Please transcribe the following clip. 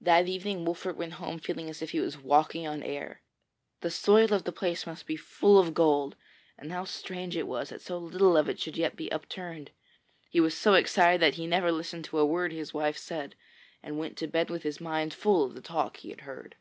That evening Wolfert went home feeling as if he was walking on air. The soil of the place must be full of gold, and how strange it was that so little of it should yet be upturned! He was so excited that he never listened to a word his wife said, and went to bed with his mind full of the talk he had heard.